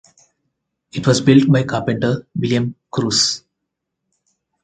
It was built by carpenter William Cruse.